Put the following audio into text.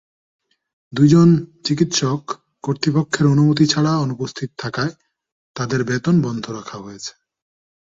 দুইজন চিকিৎসক কর্তৃপক্ষের অনুমতি ছাড়া অনুপস্থিত থাকায় তাঁদের বেতন বন্ধ রাখা হয়েছে।